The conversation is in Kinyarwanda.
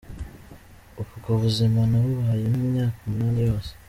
Ubwo buzima nabubayemo imyaka umunani yose.